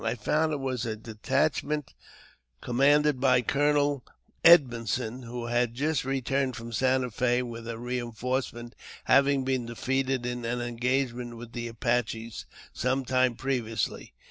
I found it was a detachment commanded by Colonel Edmondson, who had just returned from Santa Fe with a re enforcement, having been defeated in an engagement with the Apaches some time previously.